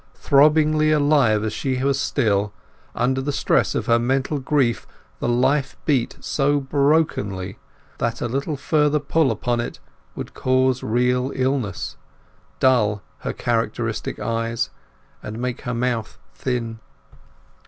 Throbbingly alive as she was still, under the stress of her mental grief the life beat so brokenly that a little further pull upon it would cause real illness, dull her characteristic eyes, and make her mouth thin.